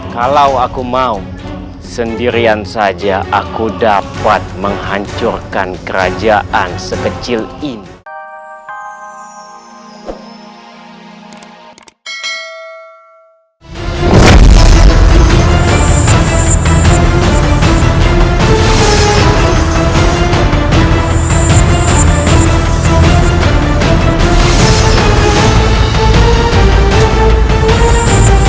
kalau aku mau sendirian saja aku dapat menghancurkan kerajaan sekecil ini